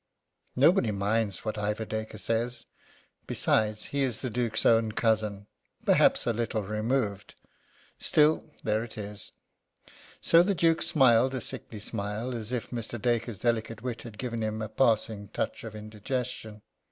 Nobody minds what Ivor Dacre says. Besides, he is the Duke's own cousin. Perhaps a little removed; still, there it is. So the Duke smiled a sickly smile, as if Mr. Dacre's delicate wit had given him a passing touch of indigestion.